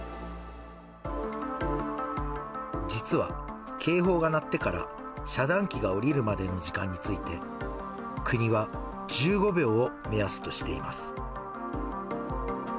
実は警報が鳴ってから遮断機が下りるまでの時間について、国は１５秒を目安としています。